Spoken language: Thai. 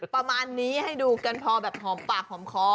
ประมาณนี้ให้ดูกันพอแบบหอมปากหอมคอ